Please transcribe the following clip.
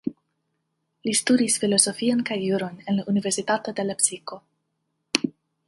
Li studis Filozofion kaj Juron en la Universitato de Lepsiko.